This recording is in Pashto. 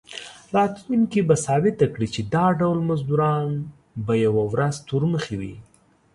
راتلونکي به ثابته کړي چې دا ډول مزدوران به یوه ورځ تورمخي وي.